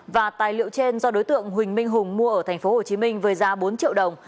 và tài liệu trên do đối tượng huỳnh minh hùng mua ở tp hcm với giá bốn triệu đồng